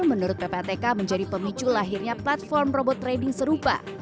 menurut ppatk menjadi pemicu lahirnya platform robot trading serupa